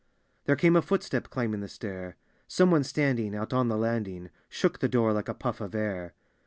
There came a footstep climbing the stair, Some one standing out on the landing Shook the door like a puff of air.